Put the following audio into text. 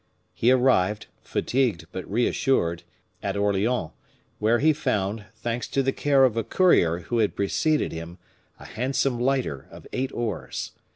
He arrived, fatigued, but reassured, at Orleans, where he found, thanks to the care of a courier who had preceded him, a handsome lighter of eight oars.